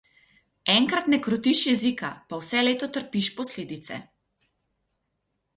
Enkrat ne krotiš jezika, pa vse leto trpiš posledice.